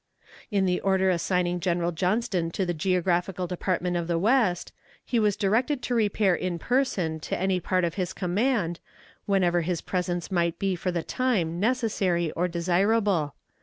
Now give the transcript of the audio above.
In the order assigning General Johnston to the geographical Department of the West, he was directed to repair in person to any part of his command, whenever his presence might be for the time necessary or desirable.